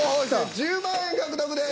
１０万円獲得です。